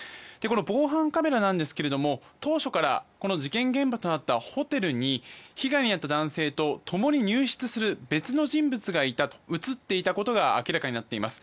防犯カメラなんですが当初から事件現場となったホテルに被害にあった男性とともに入室する別の人物が映っていたことが明らかになっています。